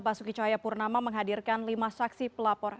basuki cahaya purnama menghadirkan lima saksi pelapor